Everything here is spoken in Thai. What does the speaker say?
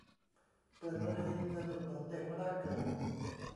เปิดปฏิทินเงินอุดหนุนเด็กแรกเกิด